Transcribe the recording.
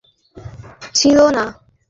ওটা আমার গ্লাস ছিলো না।